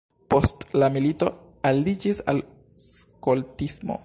Post la milito aliĝis al skoltismo.